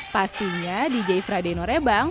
pastinya dj frade norebang